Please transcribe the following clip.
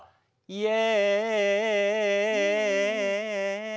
「イエ」。